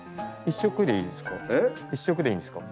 １色でいいですか？